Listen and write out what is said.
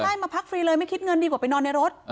ใช่มาพักฟรีเลยไม่คิดเงินดีกว่าไปนอนในรถ